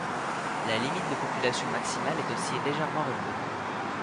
La limite de population maximale est aussi légèrement relevée.